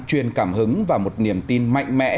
truyền cảm hứng và một niềm tin mạnh mẽ